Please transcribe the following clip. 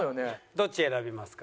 どっち選びますか？